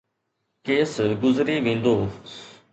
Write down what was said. Case گذري ويندو.